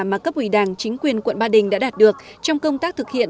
mà cấp ủy đảng chính quyền quận ba đình đã đạt được trong công tác thực hiện